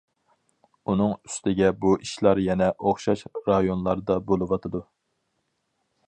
ئۇنىڭ ئۈستىگە بۇ ئىشلار يەنە ئوخشاش رايونلاردا بولۇۋاتىدۇ.